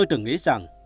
tôi tưởng nghĩ rằng